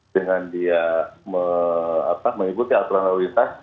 dengan dia mengikuti aturan lalu lintas